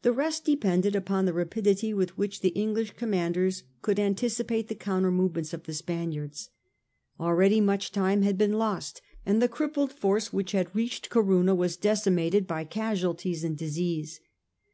The rest depended upon the rapidity with which the English commanders could anticipate the counter move ments of the Spaniards. Already much time had been lost, and the crippled force which had reached Corunna was decimated by casualties and disease.